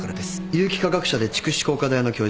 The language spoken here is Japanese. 有機化学者で竹紫工科大の教授。